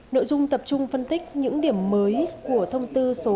nội dung tập trung phân tích những điểm mới của thông tư số một mươi nghìn hai trăm linh ba